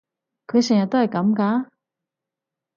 佢成日都係噉㗎？